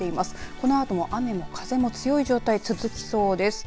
このあとも、雨も風も強い状態が続きそうです。